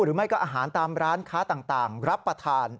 หรือไม่ก็อาหารตามร้านค้าต่างรับประทาน